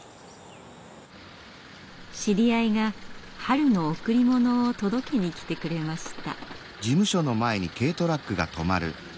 知り合いが春の贈り物を届けに来てくれました。